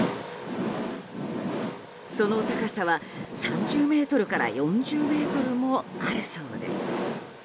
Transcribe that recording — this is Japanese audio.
その高さは３０ｍから４０ｍもあるそうです。